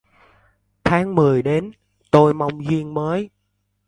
Tháng mười đến, tôi mong duyên mới.